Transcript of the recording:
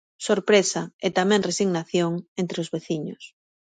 Sorpresa e tamén resignación entre os veciños.